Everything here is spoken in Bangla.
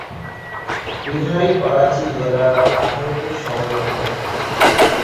লিয়ারি করাচী জেলার আঠারোটি শহরের অন্যতম।